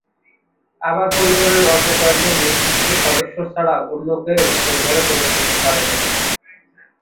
আবার পরিবারের অল্প কয়েকজন নির্দিষ্ট সদস্য ছাড়া অন্য কেউ ওই ঘরে প্রবেশ করতে পারে না।